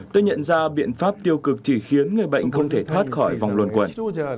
tôi nhận ra biện pháp tiêu cực chỉ khiến người bệnh không thể thoát khỏi vòng luân quẩn